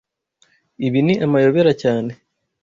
Ibi ni amayobera cyane.